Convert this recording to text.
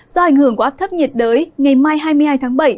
do ảnh hưởng của áp thấp nhiệt đới ngày mai hai mươi hai tháng bảy